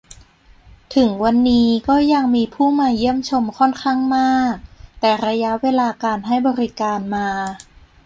ถึงวันนี้ก็ยังมีผู้มาเยี่ยมชมค่อนข้างมาก แต่ระยะเวลาการให้บริการมา